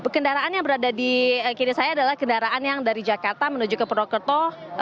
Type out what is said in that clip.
kendaraan yang berada di kiri saya adalah kendaraan yang dari jakarta menuju ke purwokerto